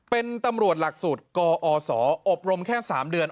เป็นตำรวจหลักสูตรกอศอบรมแค่๓เดือน